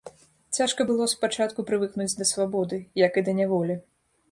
Цяжка было спачатку прывыкнуць да свабоды, як і да няволі.